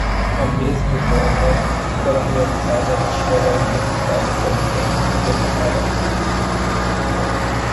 A mesa redonda será realizada na Escola Universitária Politécnica de Mataró.